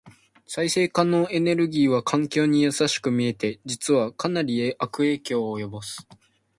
再生可能エネルギーは環境に優しく見えて、実はかなり悪影響を及ぼす。